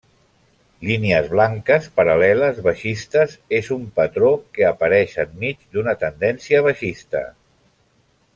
Línies blanques paral·leles baixistes és un patró que apareix enmig d'una tendència baixista.